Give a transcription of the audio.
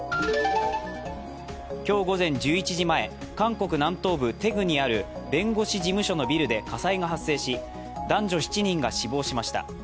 今日午前１１時前、韓国南東部テグにある弁護士事務所のビルで火災が発生し、男女７にが死亡しました。